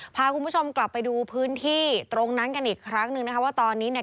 พาคุณผู้ชมกลับไปดูพื้นที่ตรงนั้นกันอีกครั้งหนึ่งนะคะว่าตอนนี้เนี่ย